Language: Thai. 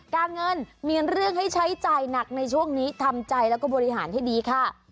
การเงินมีเรื่องให้ใช้จ่ายหนักในช่วงนี้ทำใจแล้วก็บริหารให้ดีค่ะ